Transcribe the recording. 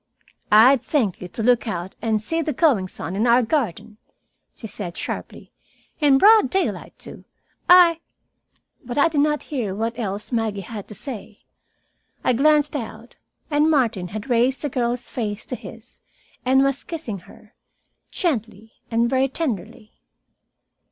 "I'd thank you to look out and see the goings on in our garden," she said sharply. "In broad daylight, too. I " But I did not hear what else Maggie had to say. I glanced out, and Martin had raised the girl's face to his and was kissing her, gently and very tenderly.